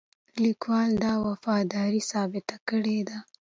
لیکوال دا وفاداري ثابته کړې ده.